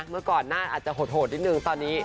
เมื่อก่อนหน้าอาจจะโหดนิดนึงตอนนี้